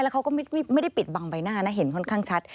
เขาก็ไม่ได้ปิดบังใบหน้านะเห็นค่อนข้างชัด